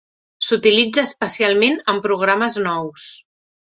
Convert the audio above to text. S'utilitza especialment en programes nous.